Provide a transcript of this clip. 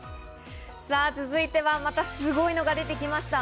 続いては、またすごいのが出てきました。